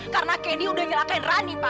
karena candy udah nyalakain rani pak